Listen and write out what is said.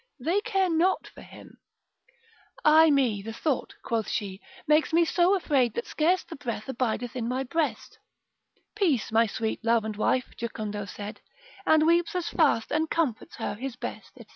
they care not for him, Aye me, the thought (quoth she) makes me so 'fraid, That scarce the breath abideth in my breast; Peace, my sweet love and wife, Jocundo said, And weeps as fast, and comforts her his best, &c.